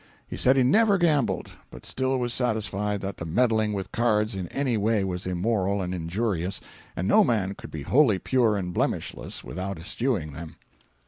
He said he never gambled, but still was satisfied that the meddling with cards in any way was immoral and injurious, and no man could be wholly pure and blemishless without eschewing them.